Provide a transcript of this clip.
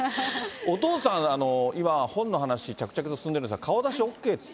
お父さん、今本の話、着々と進んでるんですが、いや。